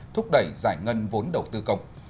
thúc đẩy giải ngân vốn đầu tư công